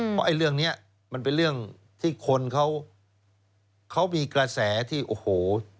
เพราะไอ้เรื่องนี้มันเป็นเรื่องที่คนเขามีกระแสที่โอ้โห